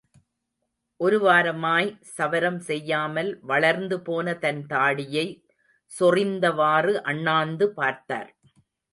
ஒரு வாரமாய் சவரம் செய்யாமல் வளர்ந்து போன தன் தாடியை சொறிந்தவாறு அண்ணாந்து பார்த்தார்.